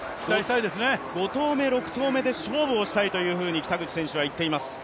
５投目、６投目で勝負したいと北口選手は言っています。